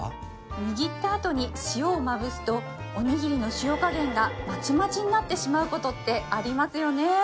握ったあとに塩をまぶすとおにぎりの塩加減がまちまちになってしまうことってありますよね